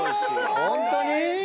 本当に？